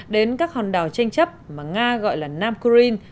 đến các hòn đảo tranh chấp mà nga gọi là nam kurin